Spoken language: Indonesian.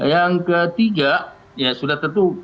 yang ketiga ya sudah tentu